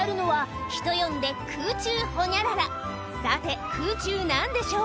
さて空中何でしょう？